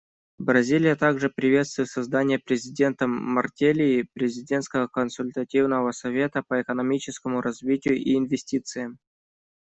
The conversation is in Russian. Бразилия также приветствует создание президентом Мартелли президентского консультативного совета по экономическому развитию и инвестициям.